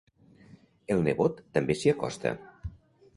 El nebot també s'hi acosta.